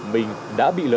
mình đã bị lừa